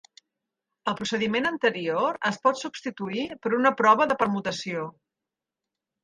El procediment anterior es pot substituir per una prova de permutació.